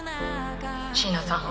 「椎名さん